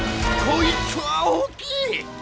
こいつは大きい！